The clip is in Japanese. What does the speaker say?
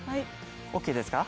ＯＫですか？